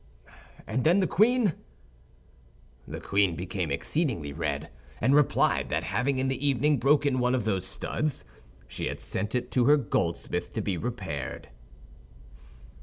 "And then the queen?" "The queen became exceedingly red, and replied that having in the evening broken one of those studs, she had sent it to her goldsmith to be repaired."